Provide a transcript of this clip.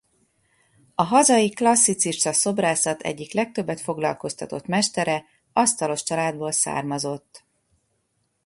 A hazai klasszicista szobrászat egyik legtöbbet foglalkoztatott mestere asztalos családból származott.